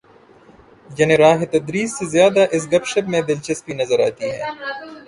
یعنی راہ تدریس سے زیادہ اس گپ شپ میں دلچسپی نظر آتی ہے۔